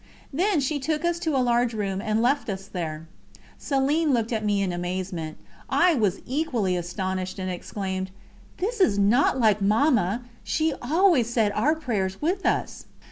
Then she took us to a large room, and left us there. Céline looked at me in amazement. I was equally astonished, and exclaimed: "This is not like Mamma, she always said our prayers with us."